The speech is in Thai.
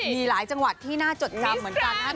มีหลายจังหวัดที่น่าจดจำเหมือนกันนะครับ